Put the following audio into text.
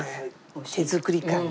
手作り感が。